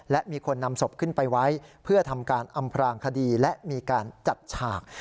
และมีคนนำศพขึ้นไปไว้เพื่อทำการอำพรางคดีและมีการจัดฉาก